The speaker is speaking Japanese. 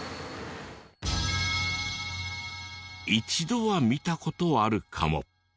一度は見た事あるかも。